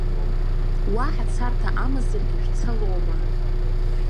Уаҳа царҭа амазаргьы шәцалома.